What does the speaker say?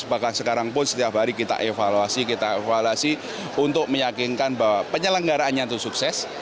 bahkan sekarang pun setiap hari kita evaluasi kita evaluasi untuk meyakinkan bahwa penyelenggaraannya itu sukses